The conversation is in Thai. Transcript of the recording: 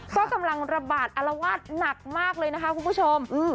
ก็กำลังระบาดอารวาสหนักมากเลยนะคะคุณผู้ชม